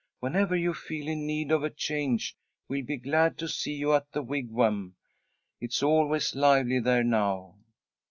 Whenever you feel in need of a change we'll be glad to see you at the Wigwam. It's always lively there, now."